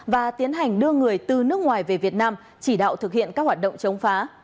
và tiến hành đưa người từ nước ngoài về việt nam chỉ đạo thực hiện các hoạt động chống phá